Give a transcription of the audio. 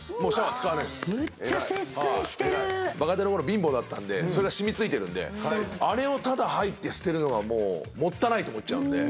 若手のころ貧乏だったんでそれが染みついてるんであれをただ入って捨てるのがもったいないと思っちゃうんで。